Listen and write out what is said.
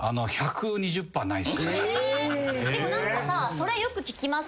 でも何かさそれよく聞きません？